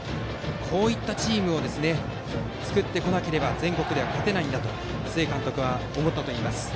こういったチームを作ってこなければ全国では勝てないんだと須江監督は思ったといいます。